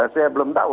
saya belum tahu